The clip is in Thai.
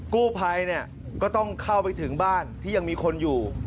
กู้ไพก็ต้องเข้าไปถึงบ้านที่ยังมีคนอยู่